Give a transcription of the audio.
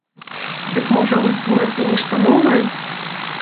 Дык можа вы створыце нешта новае?